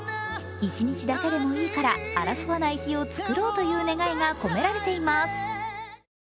一日だけでもいいから争わない日を作ろうという願いが込められています。